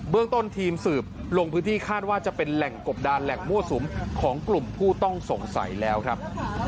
เรื่องต้นทีมสืบลงพื้นที่คาดว่าจะเป็นแหล่งกบดานแหล่งมั่วสุมของกลุ่มผู้ต้องสงสัยแล้วครับ